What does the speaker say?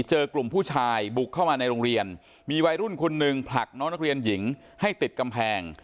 เจอกลุ่มผู้ชายบุกเข้ามาในโรงเรียนมีวัยรุ่นคนหนึ่งผลักน้องนักเรียนหญิงให้ติดกำแพง